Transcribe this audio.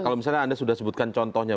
kalau misalnya anda sudah sebutkan contohnya